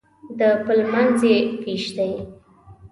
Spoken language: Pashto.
د پل منځ یې وېش دی.